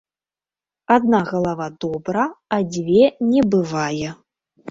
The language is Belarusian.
Адна галава добра, а дзве не бывае.